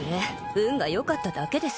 運がよかっただけです